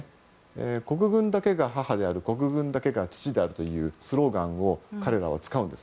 国軍だけが母である国軍だけが父であるというスローガンを彼らは使うんです。